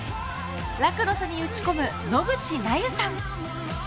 ラクロスに打ち込む野口寧優さん。